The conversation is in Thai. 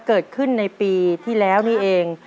เกิดขึ้นในปีที่แล้วนี่เอง